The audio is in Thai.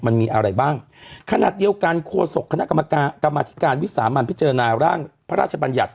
มันมีอะไรบ้างขณะเดียวกันโฆษกคณะกรรมการกรรมธิการวิสามันพิจารณาร่างพระราชบัญญัติ